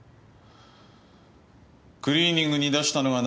クリーニングに出したのは７日。